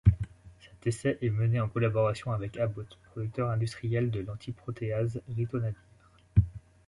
Cet essai est mené en collaboration avec Abbott, producteur industriel de l’anti-protéase ritonavir.